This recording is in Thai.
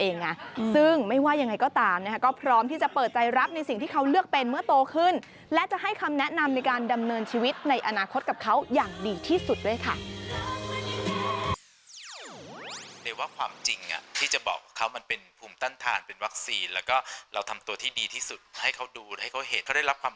แนะนำในการดำเนินชีวิตในอนาคตกับเขาอย่างดีที่สุดด้วยค่ะ